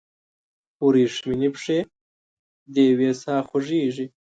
وریښمینې پښې دیوې ساه خوږیږي